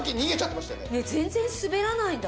全然滑らないんだ。